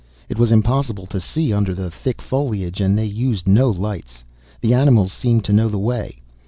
It was impossible to see under the thick foliage, and they used no lights. The animals seemed to know the way.